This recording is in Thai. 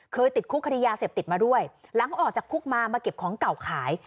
ติดคุกคดียาเสพติดมาด้วยหลังออกจากคุกมามาเก็บของเก่าขาย